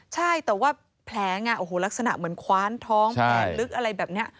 ใช่แต่ว่าแผลไงโอ้โหลักษณะเหมือนคว้านท้องแผลลึกอะไรแบบนี้